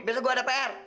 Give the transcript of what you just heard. besok gue ada pr